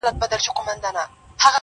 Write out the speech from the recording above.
چي نیکونو به ویله بس همدغه انقلاب دی!